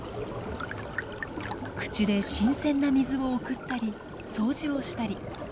口で新鮮な水を送ったり掃除をしたり。